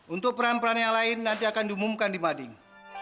untuk peran peran yang lain nanti akan diumumkan di mading